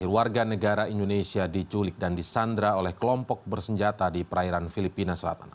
sepuluh warga negara indonesia diculik dan disandra oleh kelompok bersenjata di perairan filipina selatan